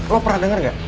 lo pernah dengar gak